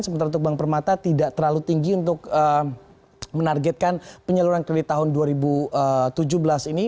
sementara untuk bank permata tidak terlalu tinggi untuk menargetkan penyaluran kredit tahun dua ribu tujuh belas ini